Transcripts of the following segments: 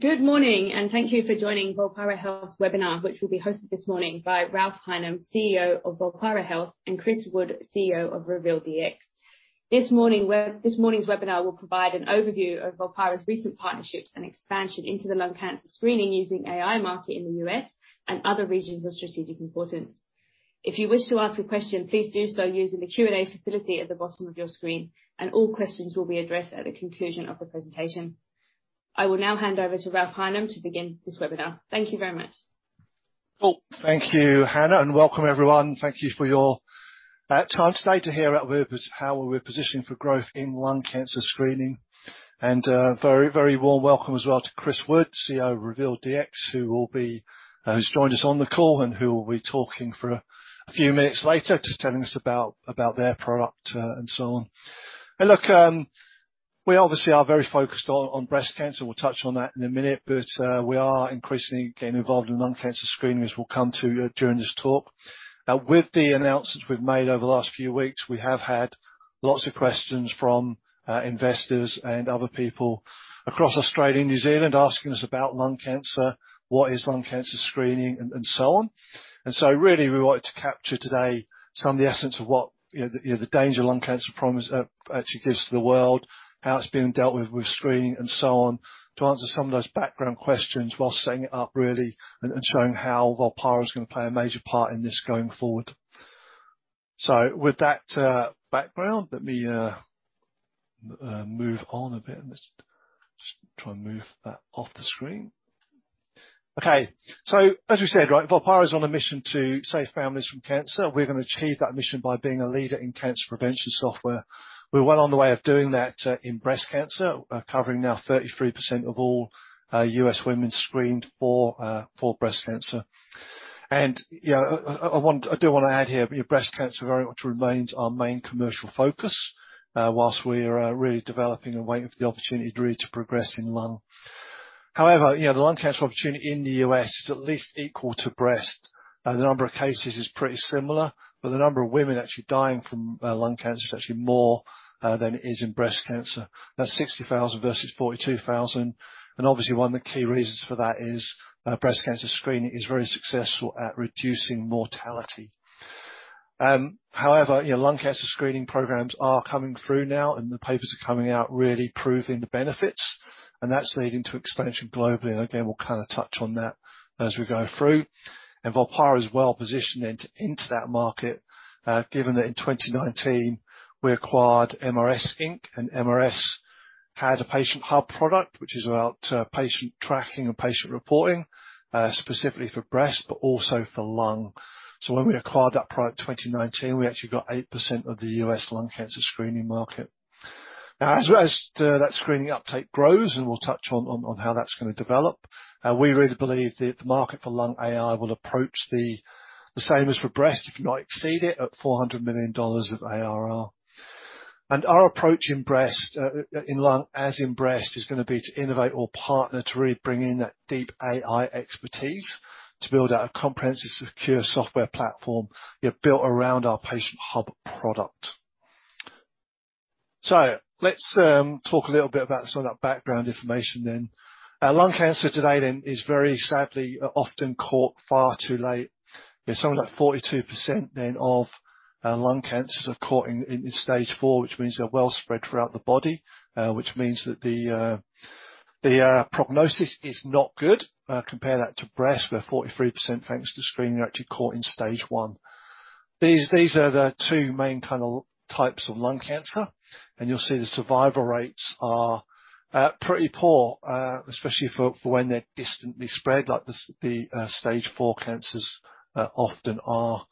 Good morning, and thank you for joining Volpara Health's webinar, which will be hosted this morning by Ralph Highnam, CEO of Volpara Health, and Chris Wood, CEO of RevealDx. This morning's webinar will provide an overview of Volpara's recent partnerships and expansion into the lung cancer screening using AI market in the U.S. and other regions of strategic importance. If you wish to ask a question, please do so using the Q&A facility at the bottom of your screen, and all questions will be addressed at the conclusion of the presentation. I will now hand over to Ralph Highnam to begin this webinar. Thank you very much. Cool. Thank you, Hannah, welcome everyone. Thank you for your time today to hear about how we're positioning for growth in lung cancer screening. Very warm welcome as well to Chris Wood, CEO of RevealDx, who's joined us on the call and who will be talking for a few minutes later, just telling us about their product, and so on. Look, we obviously are very focused on breast cancer. We'll touch on that in a minute, but we are increasingly getting involved in lung cancer screening, as we'll come to during this talk. With the announcements we've made over the last few weeks, we have had lots of questions from investors and other people across Australia and New Zealand asking us about lung cancer, what is lung cancer screening, and so on. Really, we wanted to capture today some of the essence of what the danger lung cancer problem actually gives to the world, how it's being dealt with screening, and so on, to answer some of those background questions while setting it up, really, and showing how Volpara is going to play a major part in this going forward. With that background, let me move on a bit and just try and move that off the screen. Okay. As we said, Volpara is on a mission to save families from cancer. We're going to achieve that mission by being a leader in cancer prevention software. We're well on the way of doing that in breast cancer, covering now 33% of all U.S. women screened for breast cancer. I do want to add here, breast cancer very much remains our main commercial focus, whilst we're really developing and waiting for the opportunity to really to progress in lung. The lung cancer opportunity in the U.S. is at least equal to breast. The number of cases is pretty similar, but the number of women actually dying from lung cancer is actually more than it is in breast cancer. That's 60,000 versus 42,000, obviously one of the key reasons for that is breast cancer screening is very successful at reducing mortality. Lung cancer screening programs are coming through now, the papers are coming out really proving the benefits, that's leading to expansion globally, again, we'll touch on that as we go through. Volpara is well-positioned then to enter that market, given that in 2019, we acquired MRS Systems Inc. MRS had a patient hub product, which is about patient tracking and patient reporting, specifically for breast, but also for lung. When we acquired that product in 2019, we actually got 8% of the U.S. lung cancer screening market. Now, as that screening uptake grows, and we'll touch on how that's going to develop, we really believe that the market for lung AI will approach the same as for breast, if not exceed it, at 400 million dollars of ARR. Our approach in lung, as in breast, is going to be to innovate or partner to really bring in that deep AI expertise to build out a comprehensive, secure software platform built around our patient hub product. Let's talk a little bit about some of that background information then. Lung cancer today then is very sadly often caught far too late. Something like 42% then of lung cancers are caught in stage IV, which means they're well spread throughout the body, which means that the prognosis is not good. Compare that to breast, where 43%, thanks to screening, are actually caught in stage I. These are the two main types of lung cancer, you'll see the survival rates are pretty poor, especially for when they're distantly spread like the stage IV cancers often are.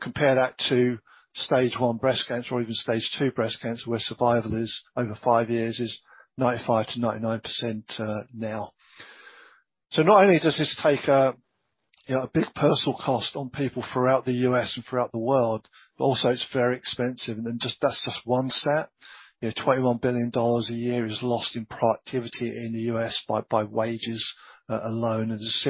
Compare that to stage I breast cancer or even stage II breast cancer, where survival is over five years, is 95%-99% now. Not only does this take a big personal cost on people throughout the U.S. and throughout the world, but also it's very expensive, and that's just one set. $21 billion a year is lost in productivity in the U.S. by wages alone, there's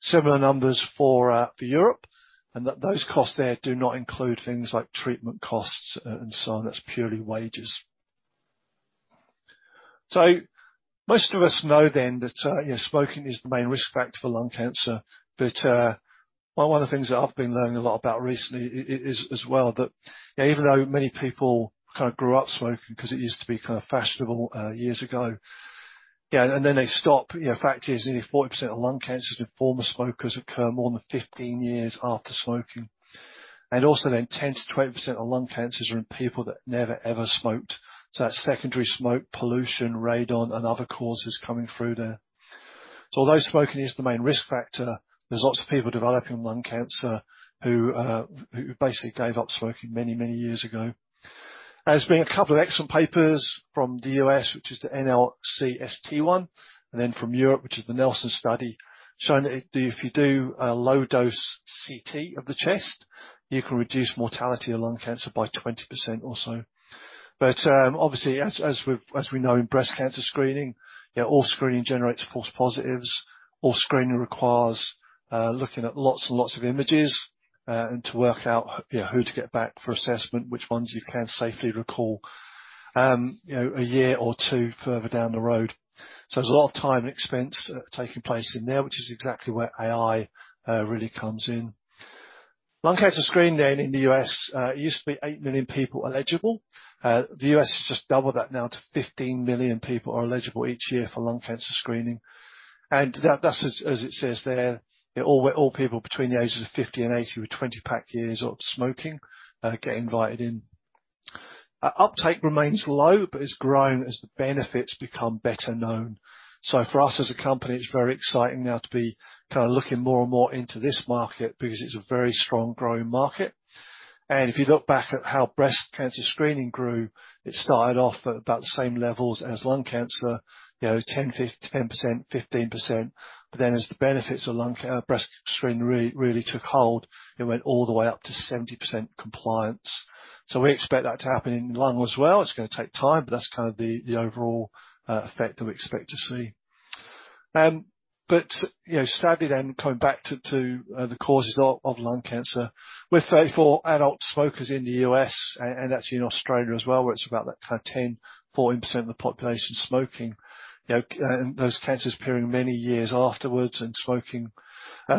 similar numbers for Europe. Those costs there do not include things like treatment costs and so on. That's purely wages. Most of us know then that smoking is the main risk factor for lung cancer. One of the things that I've been learning a lot about recently is, as well, that even though many people grew up smoking because it used to be fashionable years ago, and then they stop, fact is, nearly 40% of lung cancers in former smokers occur more than 15 years after smoking. Also then 10%-20% of lung cancers are in people that never, ever smoked. That's secondary smoke pollution, radon, and other causes coming through there. Although smoking is the main risk factor, there's lots of people developing lung cancer who basically gave up smoking many years ago. There's been two excellent papers from the U.S., which is the NLST one, and then from Europe, which is the NELSON study, showing that if you do a low-dose CT of the chest, you can reduce mortality of lung cancer by 20% or so. Obviously, as we know in breast cancer screening, all screening generates false positives. All screening requires looking at lots and lots of images. And to work out who to get back for assessment, which ones you can safely recall a year or two further down the road. There's a lot of time and expense taking place in there, which is exactly where AI really comes in. Lung cancer screening in the U.S., it used to be 8 million people eligible. The U.S. has just doubled that now to 15 million people are eligible each year for lung cancer screening. That's as it says there, all people between the ages of 50 and 80 with 20 pack years of smoking get invited in. Uptake remains low, but has grown as the benefits become better known. For us as a company, it's very exciting now to be kind of looking more and more into this market because it's a very strong growing market. If you look back at how breast cancer screening grew, it started off at about the same levels as lung cancer, 10%-15%. As the benefits of breast screening really took hold, it went all the way up to 70% compliance. We expect that to happen in lung as well. It's going to take time, but that's kind of the overall effect that we expect to see. Sadly, then coming back to the causes of lung cancer, with 34 million adult smokers in the U.S. and actually in Australia as well, where it's about that kind of 10%-14% of the population smoking, and those cancers appearing many years afterwards, and smoking,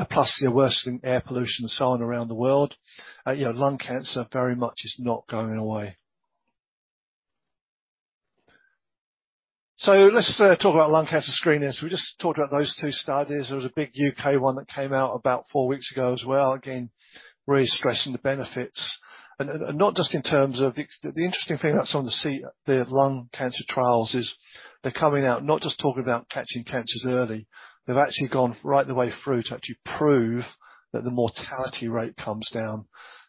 plus the worsening air pollution and so on around the world, lung cancer very much is not going away. Let's talk about lung cancer screening. We just talked about those two studies. There was a big U.K. one that came out about four weeks ago as well, again, really stressing the benefits and not just in terms of-- the interesting thing that's on the lung cancer trials is they're coming out not just talking about catching cancers early, they've actually gone right the way through to actually prove that the mortality rate comes down.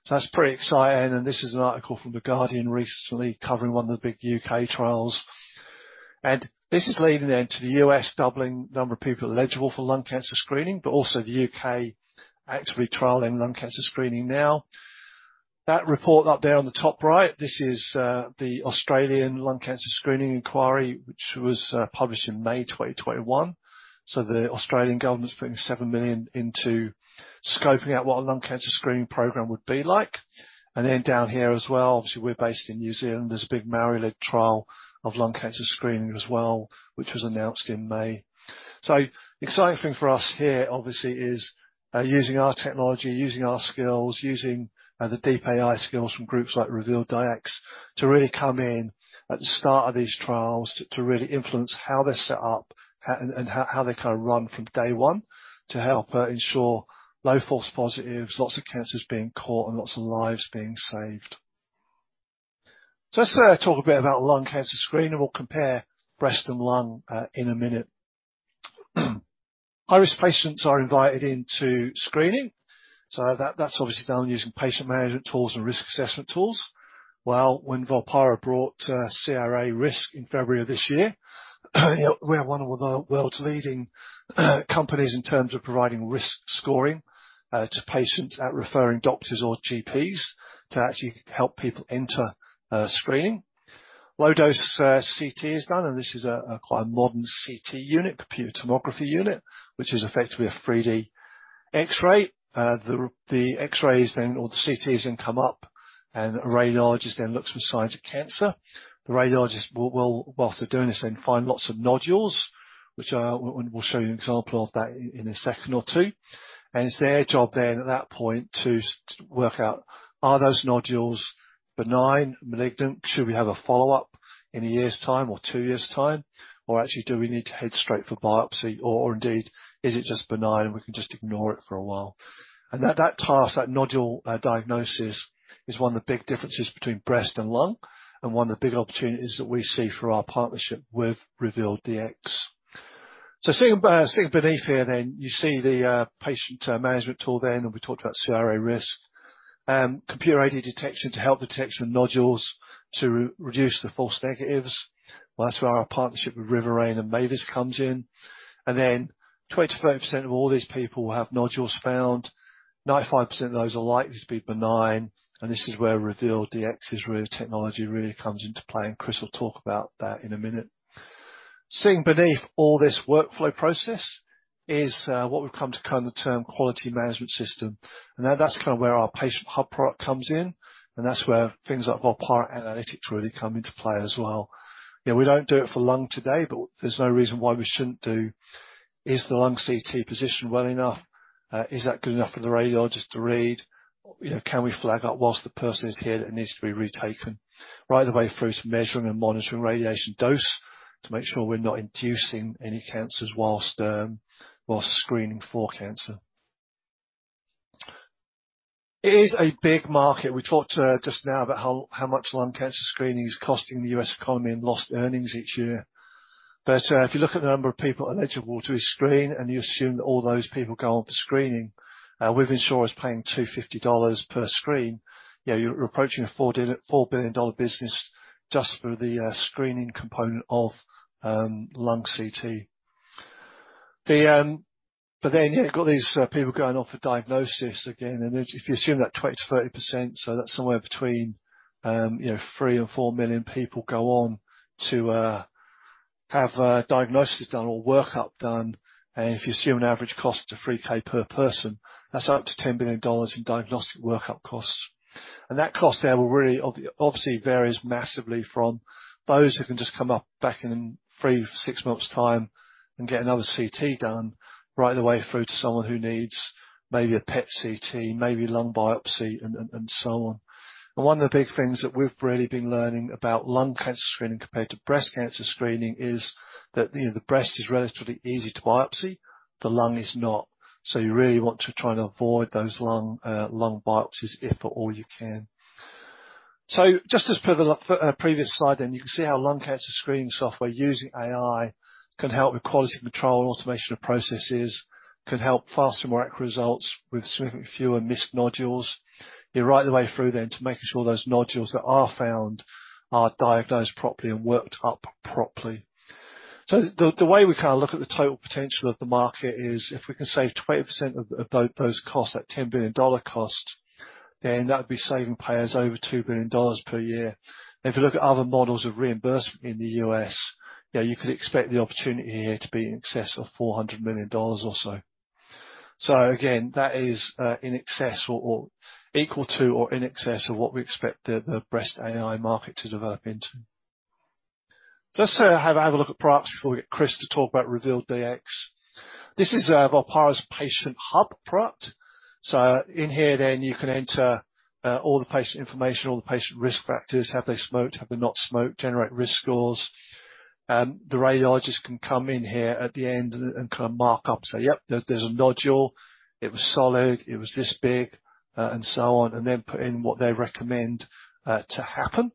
That's pretty exciting, and this is an article from The Guardian recently covering one of the big U.K. trials. This is leading then to the U.S. doubling the number of people eligible for lung cancer screening, but also the U.K. actively trialing lung cancer screening now. That report up there on the top right, this is the Australian Lung Cancer Screening Inquiry, which was published in May 2021. The Australian government is putting 7 million into scoping out what a lung cancer screening program would be like. Down here as well, obviously, we're based in New Zealand, there's a big Māori-led trial of lung cancer screening as well, which was announced in May. The exciting thing for us here obviously is using our technology, using our skills, using the deep AI skills from groups like RevealDx to really come in at the start of these trials to really influence how they're set up and how they kind of run from day one to help ensure low false positives, lots of cancers being caught and lots of lives being saved. Let's talk a bit about lung cancer screening, and we'll compare breast and lung in a minute. High-risk patients are invited into screening, that's obviously done using patient management tools and risk assessment tools. Well, when Volpara brought CRA Risk in February of this year, we are one of the world's leading companies in terms of providing risk scoring to patients at referring doctors or GPs to actually help people enter screening. Low-dose CT is done, this is quite a modern CT unit, computed tomography unit, which is effectively a 3D X-ray. The X-rays then or the CTs then come up, a radiologist then looks for signs of cancer. The radiologist will, while they're doing this, then find lots of nodules, which we'll show you an example of that in a second or two. It's their job then at that point to work out are those nodules benign, malignant? Should we have a follow-up in a year's time or two years' time? Actually, do we need to head straight for biopsy? Indeed, is it just benign and we can just ignore it for a while? That task, that nodule diagnosis is one of the big differences between breast and lung and one of the big opportunities that we see for our partnership with RevealDx. Sitting beneath here then, you see the patient management tool then, and we talked about CRA Risk. computer-aided detection to help detection of nodules to reduce the false negatives. Well, that's where our partnership with Riverain and MeVis comes in. 25% of all these people will have nodules found. 95% of those are likely to be benign. This is where RevealDx's technology really comes into play, and Chris will talk about that in a minute. Sitting beneath all this workflow process is what we've come to term quality management system. That's kind of where our Volpara Patient Hub product comes in, and that's where things like Volpara Analytics really come into play as well. We don't do it for lung today, but there's no reason why we shouldn't do. Is the lung CT positioned well enough? Is that good enough for the radiologist to read? Can we flag up while the person is here that it needs to be retaken? Right the way through to measuring and monitoring radiation dose to make sure we're not inducing any cancers while screening for cancer. It is a big market. We talked just now about how much lung cancer screening is costing the U.S. economy in lost earnings each year. If you look at the number of people eligible to screen and you assume that all those people go on for screening, with insurers paying $250 per screen, you're approaching a $4 billion business just for the screening component of lung CT. You've got these people going off for diagnosis again, if you assume that 20%-30%, so that's somewhere between 3 million and 4 million people go on to have diagnoses done or workup done. If you assume an average cost of $3,000 per person, that's up to $10 billion in diagnostic workup costs. That cost there obviously varies massively from those who can just come back in three to six months' time and get another CT done, right the way through to someone who needs maybe a PET-CT, maybe lung biopsy, and so on. One of the big things that we've really been learning about lung cancer screening compared to breast cancer screening is that the breast is relatively easy to biopsy, the lung is not. You really want to try to avoid those lung biopsies, if at all you can. Just as per the previous slide, you can see how lung cancer screening software using AI can help with quality control and automation of processes, can help faster, more accurate results with significantly fewer missed nodules. Right the way through to making sure those nodules that are found are diagnosed properly and worked up properly. The way we look at the total potential of the market is if we can save 20% of those costs, that 10 billion dollar cost, that would be saving payers over 2 billion dollars per year. If you look at other models of reimbursement in the U.S., you could expect the opportunity here to be in excess of $400 million or so. Again, that is equal to or in excess of what we expect the breast AI market to develop into. Let's have a look at products before we get Chris to talk about RevealDx. This is Volpara Patient Hub product. In here then you can enter all the patient information, all the patient risk factors, have they smoked, have they not smoked, generate risk scores. The radiologist can come in here at the end and mark up, say, "Yep, there's a nodule. It was solid. It was this big," and so on, and then put in what they recommend to happen.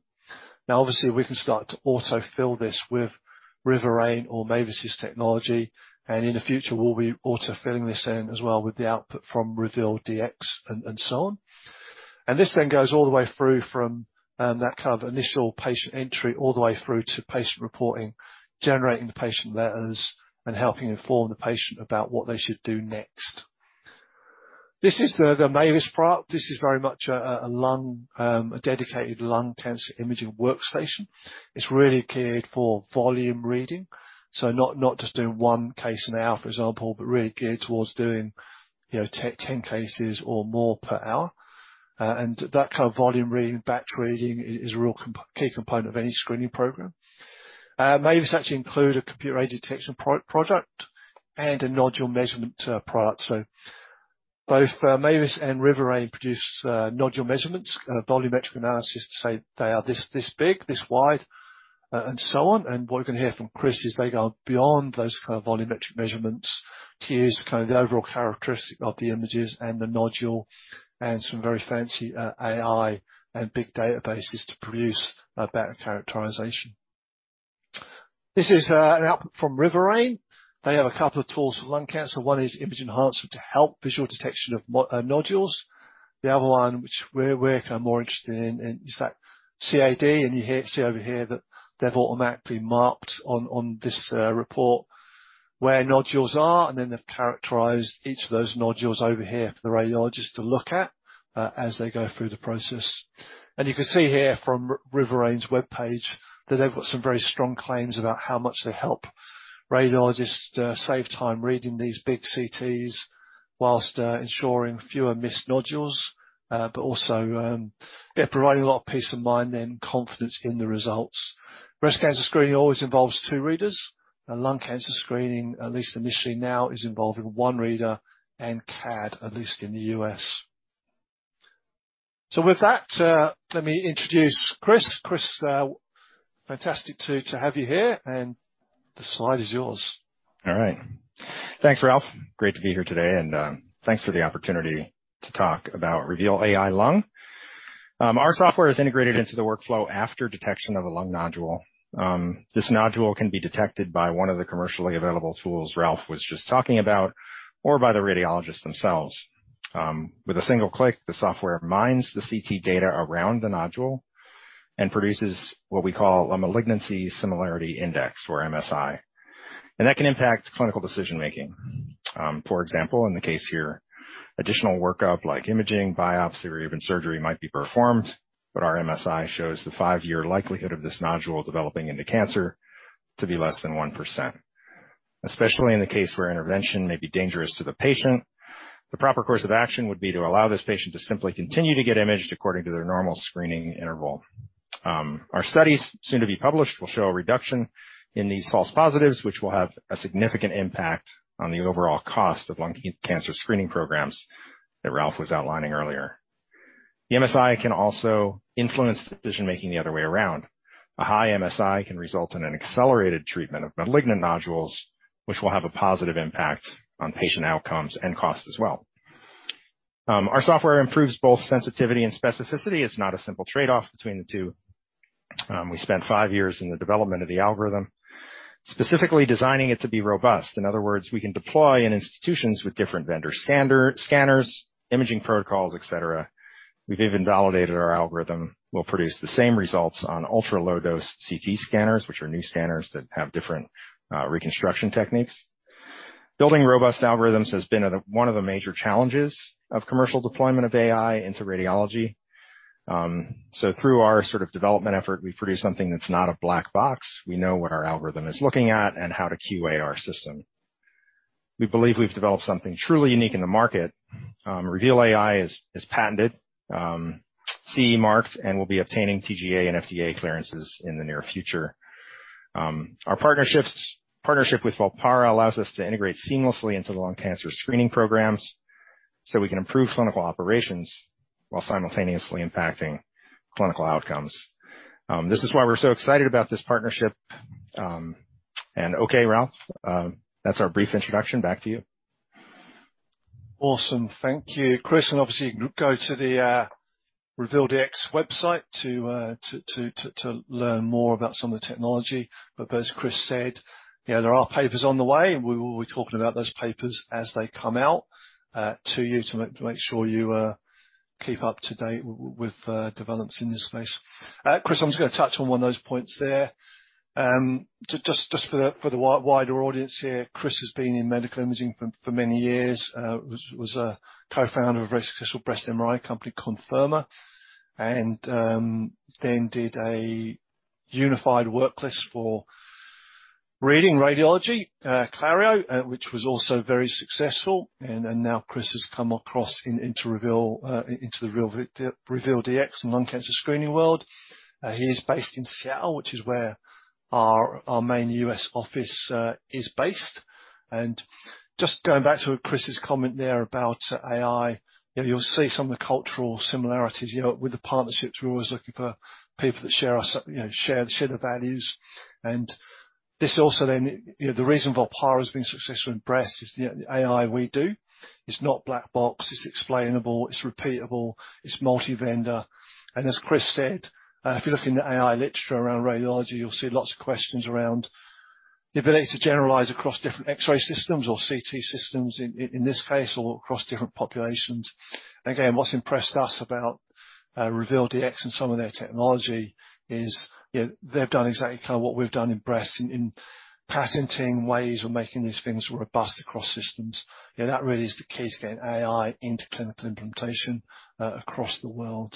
Obviously, we can start to auto-fill this with Riverain or MeVis technology, in the future, we'll be auto-filling this in as well with the output from RevealDx and so on. This then goes all the way through from that initial patient entry all the way through to patient reporting, generating the patient letters, and helping inform the patient about what they should do next. This is the MeVis product. This is very much a dedicated lung cancer imaging workstation. It's really geared for volume reading. Not just doing one case an hour, for example, but really geared towards doing 10 cases or more per hour. That kind of volume reading, batch reading, is a real key component of any screening program. MeVis actually include a computer-aided detection product and a nodule measurement product. Both MeVis and Riverain produce nodule measurements, volumetric analysis to say they are this big, this wide, and so on. What we're going to hear from Chris is they go beyond those volumetric measurements to use the overall characteristic of the images and the nodule and some very fancy AI and big databases to produce a better characterization. This is an output from Riverain. They have a couple of tools for lung cancer. One is image enhancer to help visual detection of nodules. The other one, which we're kind of more interested in, is that CAD, and you see over here that they've automatically marked on this report where nodules are, and then they've characterized each of those nodules over here for the radiologist to look at as they go through the process. You can see here from Riverain's webpage that they've got some very strong claims about how much they help radiologists save time reading these big CTs while ensuring fewer missed nodules. Also providing a lot of peace of mind and confidence in the results. Breast cancer screening always involves two readers. A lung cancer screening, at least initially now, is involving one reader and CAD, at least in the U.S. With that, let me introduce Chris. Chris, fantastic to have you here, and the slide is yours. All right. Thanks, Ralph. Great to be here today. Thanks for the opportunity to talk about RevealAI-Lung. Our software is integrated into the workflow after detection of a lung nodule. This nodule can be detected by one of the commercially available tools Ralph was just talking about or by the radiologist themselves. With a single click, the software mines the CT data around the nodule and produces what we call a Malignancy Similarity Index or MSI. That can impact clinical decision-making. For example, in the case here, additional workup like imaging, biopsy, or even surgery might be performed. Our MSI shows the five-year likelihood of this nodule developing into cancer to be less than 1%. Especially in the case where intervention may be dangerous to the patient, the proper course of action would be to allow this patient to simply continue to get imaged according to their normal screening interval. Our studies, soon to be published, will show a reduction in these false positives, which will have a significant impact on the overall cost of lung cancer screening programs that Ralph was outlining earlier. The MSI can also influence decision-making the other way around. A high MSI can result in an accelerated treatment of malignant nodules, which will have a positive impact on patient outcomes and costs as well. Our software improves both sensitivity and specificity. It's not a simple trade-off between the two. We spent five years in the development of the algorithm, specifically designing it to be robust. In other words, we can deploy in institutions with different vendor scanners, imaging protocols, et cetera. We've even validated our algorithm will produce the same results on ultra-low dose CT scanners, which are new scanners that have different reconstruction techniques. Building robust algorithms has been one of the major challenges of commercial deployment of AI into radiology. Through our sort of development effort, we've produced something that's not a black box. We know what our algorithm is looking at and how to QA our system. We believe we've developed something truly unique in the market. RevealAI is patented, CE marked, and will be obtaining TGA and FDA clearances in the near future. Our partnership with Volpara allows us to integrate seamlessly into the lung cancer screening programs so we can improve clinical operations while simultaneously impacting clinical outcomes. This is why we're so excited about this partnership. Okay, Ralph, that's our brief introduction. Back to you. Awesome. Thank you, Chris. Obviously, you can go to the RevealDx website to learn more about some of the technology. As Chris said, there are papers on the way, and we will be talking about those papers as they come out to you to make sure you keep up to date with developments in this space. Chris, I'm just going to touch on one of those points there. Just for the wider audience here, Chris has been in medical imaging for many years, was a co-founder of a very successful breast MRI company, Confirma, and then did a unified worklist for reading radiology, Clario, which was also very successful. Now Chris has come across into the RevealDx and lung cancer screening world. He is based in Seattle, which is where our main U.S. office is based. Just going back to Chris's comment there about AI, you'll see some of the cultural similarities. With the partnerships, we're always looking for people that share the values. This also then, the reason Volpara has been successful in breast is the AI we do. It's not black box, it's explainable, it's repeatable, it's multi-vendor. As Chris said, if you look in the AI literature around radiology, you'll see lots of questions around the ability to generalize across different X-ray systems or CT systems in this case, or across different populations. What's impressed us about RevealDx and some of their technology is they've done exactly kind of what we've done in breast in patenting ways of making these things robust across systems. That really is the key to getting AI into clinical implementation across the world.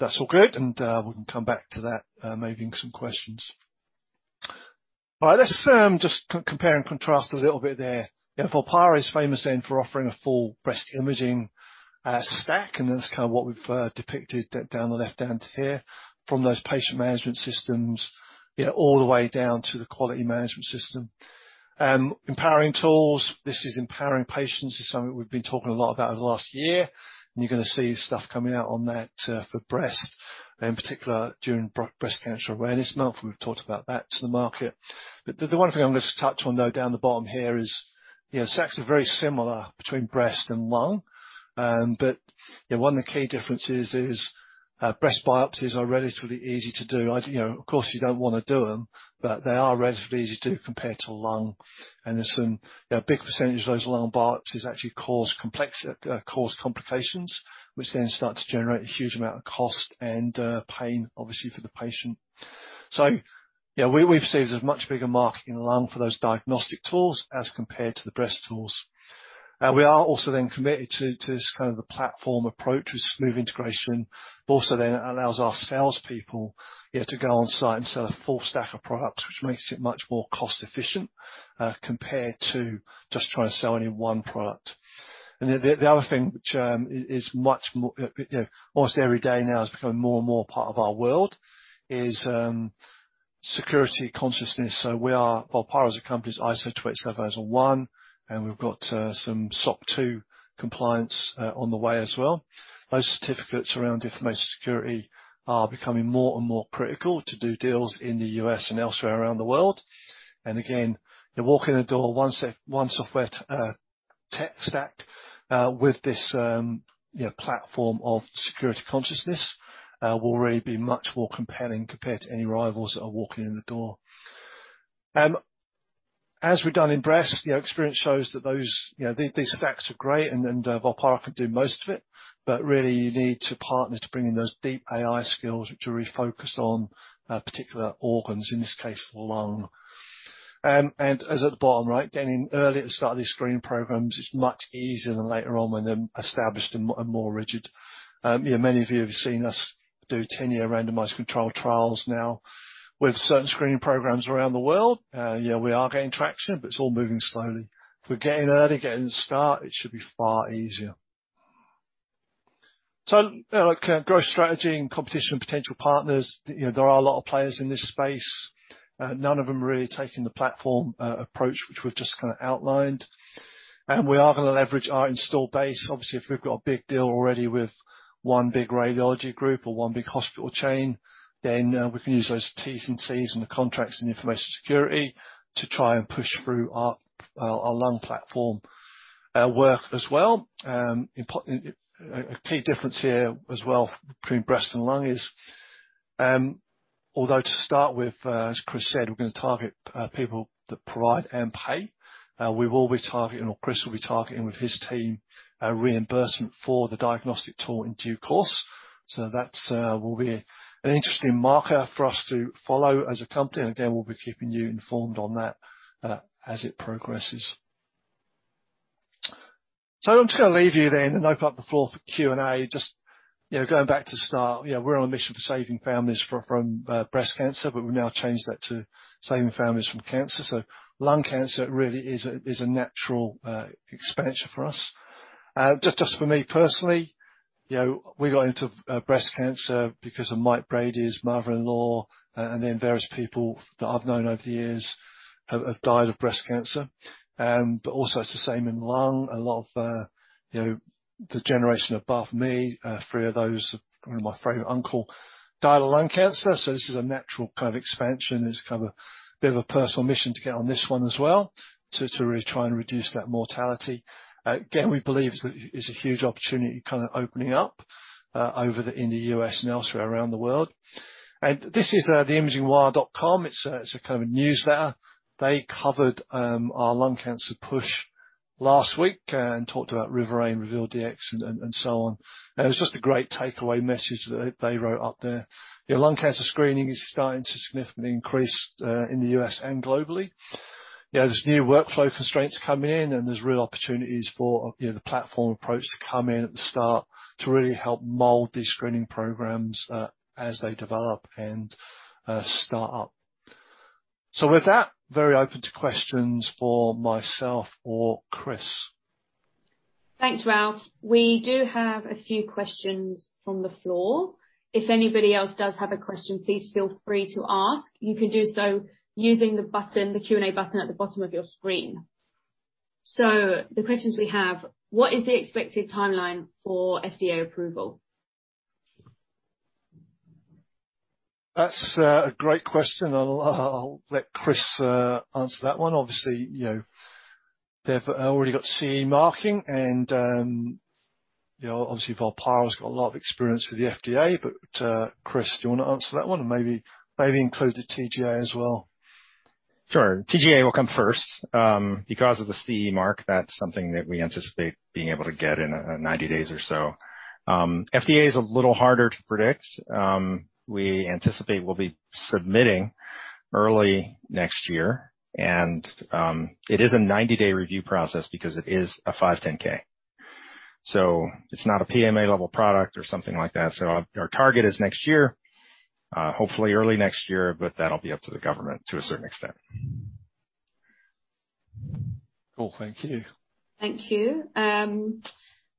That's all good, and we can come back to that maybe in some questions. All right. Let's just compare and contrast a little bit there. Volpara is famous then for offering a full breast imaging stack, and that's kind of what we've depicted down the left-hand here, from those patient management systems all the way down to the quality management system. Empowering tools, this is empowering patients, is something we've been talking a lot about over the last year, and you're going to see stuff coming out on that for breast, in particular during Breast Cancer Awareness Month. We've talked about that to the market. The one thing I'm going to touch on, though, down the bottom here is stacks are very similar between breast and lung. One of the key differences is breast biopsies are relatively easy to do. Of course, you don't want to do them, but they are relatively easy to do compared to lung. There's some big percentage of those lung biopsies actually cause complications, which then start to generate a huge amount of cost and pain, obviously, for the patient. We've seen there's a much bigger market in lung for those diagnostic tools as compared to the breast tools. We are also then committed to kind of the platform approach with smooth integration, but also then allows our salespeople to go on-site and sell a full stack of products, which makes it much more cost-efficient, compared to just trying to sell any one product. The other thing which is almost every day now has become more and more part of our world is security consciousness. Volpara as a company is ISO 27001, and we've got some SOC 2 compliance on the way as well. Those certificates around information security are becoming more and more critical to do deals in the U.S. and elsewhere around the world. Again, walk in the door, one software tech stack with this platform of security consciousness will really be much more compelling compared to any rivals that are walking in the door. As we've done in breast, experience shows that these stacks are great and Volpara can do most of it, but really you need to partner to bring in those deep AI skills to really focus on particular organs, in this case lung. As at the bottom, getting in early at the start of these screening programs is much easier than later on when they're established and more rigid. Many of you have seen us do 10-year randomized control trials now with certain screening programs around the world. We are getting traction, but it's all moving slowly. If we're getting early, getting the start, it should be far easier. Growth strategy and competition with potential partners. There are a lot of players in this space. None of them are really taking the platform approach, which we've just kind of outlined. We are going to leverage our install base. Obviously, if we've got a big deal already with one big radiology group or one big hospital chain, then we can use those T's and C's and the contracts and information security to try and push through our lung platform work as well. A key difference here as well between breast and lung is, although to start with, as Chris said, we're going to target people that provide and pay. We will be targeting, or Chris will be targeting with his team, reimbursement for the diagnostic tool in due course. That will be an interesting marker for us to follow as a company, and again, we'll be keeping you informed on that as it progresses. I'm just going to leave you then and open up the floor for Q&A. Just going back to the start, we're on a mission for saving families from breast cancer, but we've now changed that to saving families from cancer. Lung cancer really is a natural expansion for us. Just for me personally, we got into breast cancer because of Mike Brady's mother-in-law, and then various people that I've known over the years have died of breast cancer. Also it's the same in lung. A lot of the generation above me, three of those, one of my favorite uncle died of lung cancer. This is a natural kind of expansion. It's kind of a bit of a personal mission to get on this one as well, to really try and reduce that mortality. Again, we believe it's a huge opportunity kind of opening up in the U.S. and elsewhere around the world. This is theimagingwire.com. It's a kind of a newsletter. They covered our lung cancer push last week and talked about Riverain, RevealDx, and so on. It's just a great takeaway message that they wrote up there. Lung cancer screening is starting to significantly increase in the U.S. and globally. There's new workflow constraints coming in, and there's real opportunities for the platform approach to come in at the start to really help mold these screening programs as they develop and start up. With that, very open to questions for myself or Chris. Thanks, Ralph. We do have a few questions from the floor. If anybody else does have a question, please feel free to ask. You can do so using the button, the Q&A button at the bottom of your screen. The questions we have, what is the expected timeline for FDA approval? That's a great question. I'll let Chris answer that one. Obviously, they've already got CE marking, obviously Volpara's got a lot of experience with the FDA. Chris, do you want to answer that one? Maybe include the TGA as well. Sure. TGA will come first. Because of the CE mark, that's something that we anticipate being able to get in 90 days or so. FDA is a little harder to predict. We anticipate we'll be submitting early next year, and it is a 90-day review process because it is a 510(k). It's not a PMA-level product or something like that. Our target is next year, hopefully early next year, but that'll be up to the government to a certain extent. Cool. Thank you. Thank you.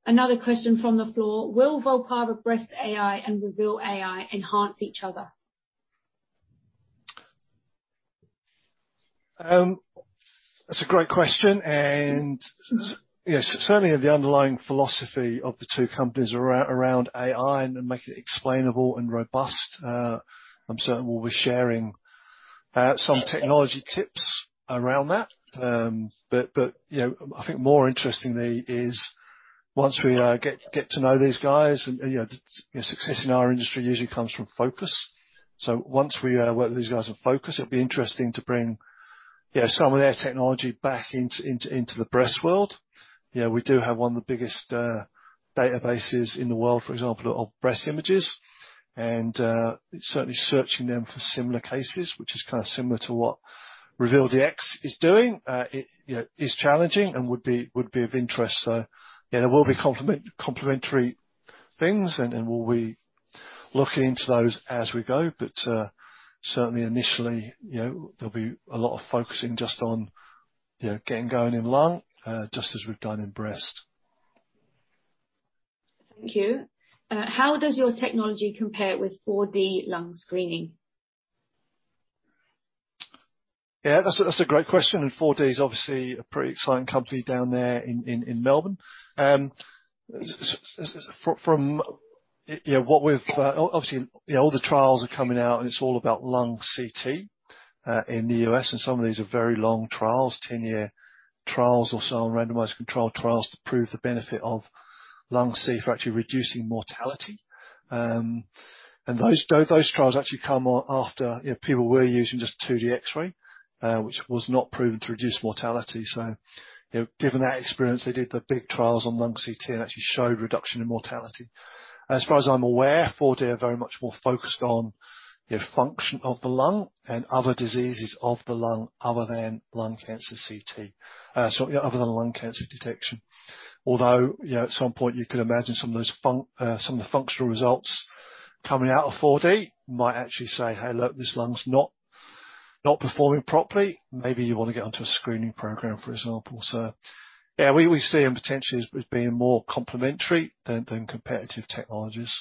Another question from the floor. Will Volpara breast AI and RevealAI enhance each other? That's a great question. Certainly the underlying philosophy of the two companies around AI and make it explainable and robust, I'm certain we'll be sharing some technology tips around that. I think more interestingly is once we get to know these guys, success in our industry usually comes from focus. Once we work with these guys on focus, it'll be interesting to bring some of their technology back into the breast world. We do have one of the biggest databases in the world, for example, of breast images, and certainly searching them for similar cases, which is kind of similar to what RevealDx is doing, is challenging and would be of interest. There will be complementary things, and we'll be looking into those as we go. Certainly initially, there'll be a lot of focusing just on getting going in lung, just as we've done in breast. Thank you. How does your technology compare with 4DMedical lung screening? Yeah, that's a great question. 4DMedical is obviously a pretty exciting company down there in Melbourne. Obviously, all the trials are coming out. It's all about lung CT in the U.S. Some of these are very long trials, 10-year trials or so, randomized controlled trials to prove the benefit of lung CT for actually reducing mortality. Those trials actually come after people were using just 2D X-ray, which was not proven to reduce mortality. Given that experience, they did the big trials on lung CT and actually showed reduction in mortality. As far as I'm aware, 4DMedical are very much more focused on the function of the lung and other diseases of the lung other than lung cancer CT. Sorry, other than lung cancer detection. At some point you could imagine some of the functional results coming out of 4DMedical might actually say, "Hey, look, this lung's not performing properly. Maybe you want to get onto a screening program," for example. Yeah, we see them potentially as being more complementary than competitive technologies.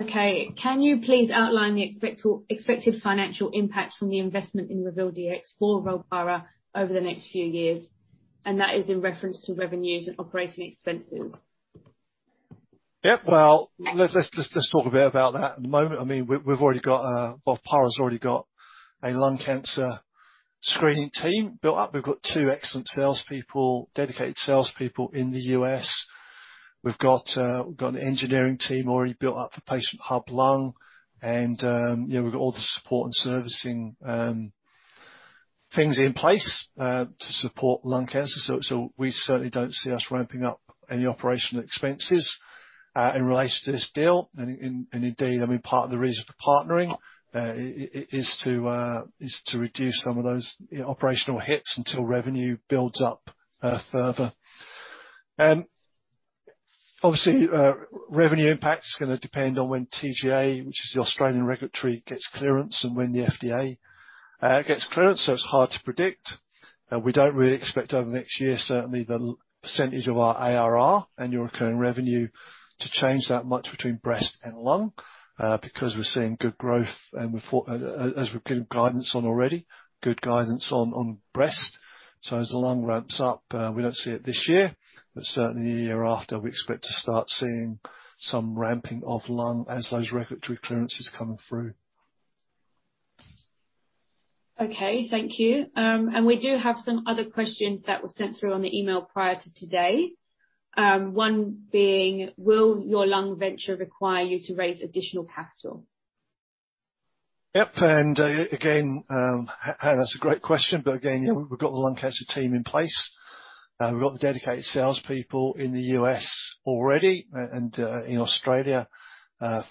Okay. Can you please outline the expected financial impact from the investment in RevealDx for Volpara over the next few years? That is in reference to revenues and operating expenses. Well, let's talk a bit about that. At the moment, Volpara's already got a lung cancer screening team built up. We've got two excellent salespeople, dedicated salespeople in the U.S. We've got an engineering team already built up for Patient Hub Lung, and we've got all the support and servicing things in place to support lung cancer. We certainly don't see us ramping up any operational expenses in relation to this deal. Indeed, part of the reason for partnering is to reduce some of those operational hits until revenue builds up further. Obviously, revenue impact is going to depend on when TGA, which is the Australian regulatory, gets clearance and when the FDA gets clearance, it's hard to predict. We don't really expect over next year, certainly, the percentage of our ARR, annual recurring revenue, to change that much between breast and lung, because we're seeing good growth, as we've given guidance on already, good guidance on breast. As the lung ramps up, we don't see it this year, but certainly the year after, we expect to start seeing some ramping of lung as those regulatory clearances come through. Okay. Thank you. We do have some other questions that were sent through on the email prior to today. One being, will your lung venture require you to raise additional capital? Yep. Again, Hannah, that's a great question. Again, we've got the lung cancer team in place. We've got the dedicated salespeople in the U.S. already, and in Australia,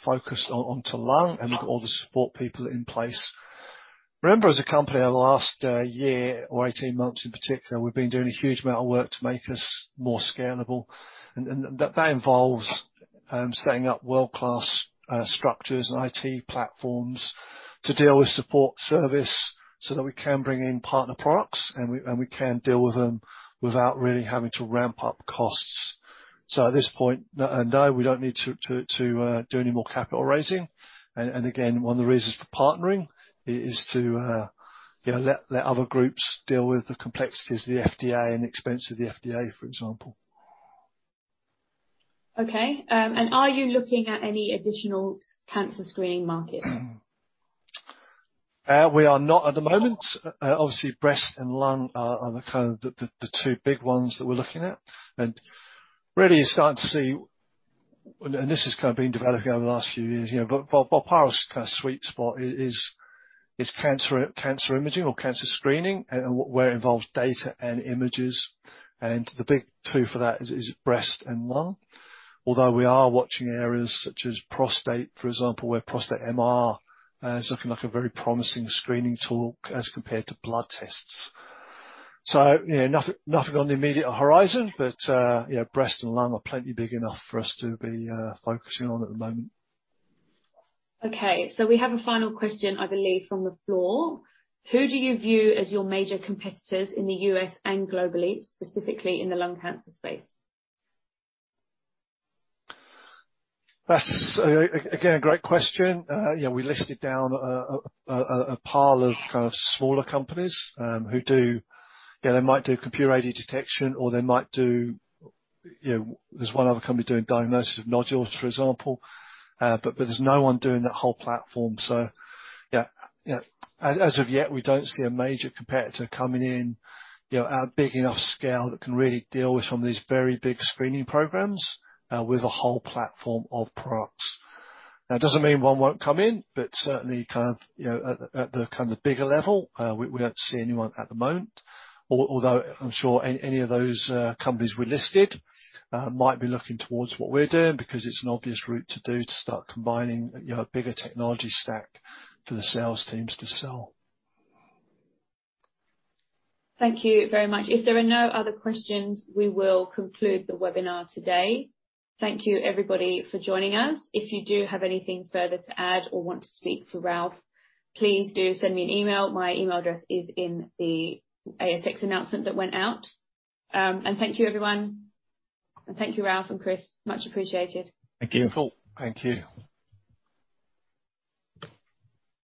focused onto lung, and we've got all the support people in place. Remember, as a company, over the last year or 18 months in particular, we've been doing a huge amount of work to make us more scalable. That involves setting up world-class structures and IT platforms to deal with support service so that we can bring in partner products and we can deal with them without really having to ramp up costs. At this point, no, we don't need to do any more capital raising. Again, one of the reasons for partnering is to let other groups deal with the complexities of the FDA and expense of the FDA, for example. Okay. Are you looking at any additional cancer screening markets? We are not at the moment. Obviously, breast and lung are the two big ones that we're looking at. Really you're starting to see, and this has been developing over the last few years, Volpara's sweet spot is cancer imaging or cancer screening, and where it involves data and images. The big two for that is breast and lung. Although we are watching areas such as prostate, for example, where prostate MR is looking like a very promising screening tool as compared to blood tests. Nothing on the immediate horizon, but breast and lung are plenty big enough for us to be focusing on at the moment. Okay. We have a final question, I believe, from the floor. Who do you view as your major competitors in the U.S. and globally, specifically in the lung cancer space? That's, again, a great question. We listed down a pile of smaller companies who do. They might do computer-aided detection or they might do. There's one other company doing diagnosis of nodules, for example. There's no one doing that whole platform. Yeah. As of yet, we don't see a major competitor coming in at a big enough scale that can really deal with some of these very big screening programs with a whole platform of products. Now, it doesn't mean one won't come in, but certainly at the bigger level, we don't see anyone at the moment. Although I'm sure any of those companies we listed might be looking towards what we're doing because it's an obvious route to start combining a bigger technology stack for the sales teams to sell. Thank you very much. If there are no other questions, we will conclude the webinar today. Thank you everybody for joining us. If you do have anything further to add or want to speak to Ralph, please do send me an email. My email address is in the ASX announcement that went out. Thank you, everyone. Thank you, Ralph and Chris. Much appreciated. Thank you. Thank you.